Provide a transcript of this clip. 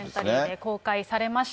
公開されました。